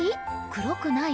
黒くない？